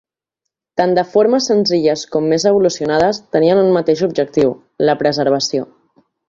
Tant de formes senzilles com més evolucionades, tenien un mateix objectiu: la preservació.